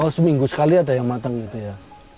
seminggu sekali ada yang matang gitu ya